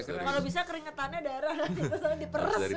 kalau bisa keringetannya darah